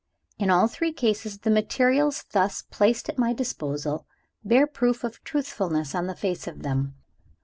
In all three cases the materials thus placed at my disposal bear proof of truthfulness on the face of them.